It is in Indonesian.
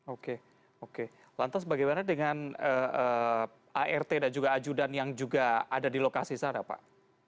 oke oke lantas bagaimana dengan art dan juga ajudan yang juga ada di lokasi sana pak